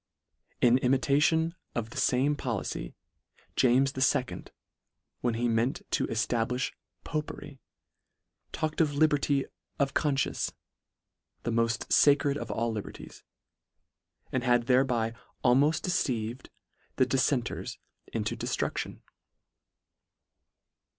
In imitation of the fame policy, James II. when he meant to eftablifh popery, talk ed of liberty of confcience, the moft lacred of all liberties ; and had thereby almoft de ceived the diffenters into deftrudlion.